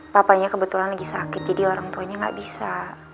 papanya kebetulan lagi sakit jadi orang tuanya nggak bisa